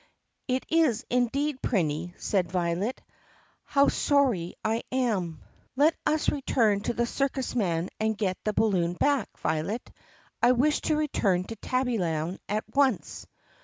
"It is indeed, Prinny," said Violet. "How sorry I 45 THE PUSSYCAT PRINCESS 46 "Let us return to the circus man and get the balloon back, Violet. I wish to return to Tabbyland at once!"